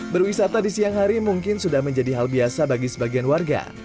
berwisata di siang hari mungkin sudah menjadi hal biasa bagi sebagian warga